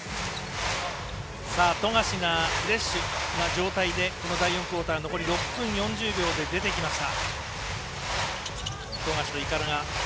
富樫がフレッシュな状態で第４クオーター残り６分４０秒で出てきました。